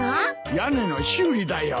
屋根の修理だよ。